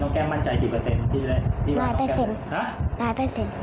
น้องแก้มมั่นใจกี่เปอร์เซ็นต์ร้อยเปอร์เซ็นต์ฮะร้อยเปอร์เซ็นต์